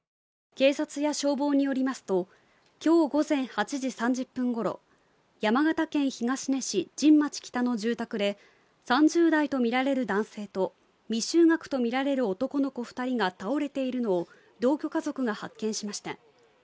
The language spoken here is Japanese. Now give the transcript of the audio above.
警察や消防によりますと、今日午前８時３０分ごろ、山形県東根市神町北の住宅で３０代とみられる男性と未就学とみられる男の子２人が倒れているのを同居家族が発見しました。